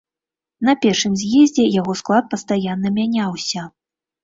На першым з'ездзе яго склад пастаянна мяняўся.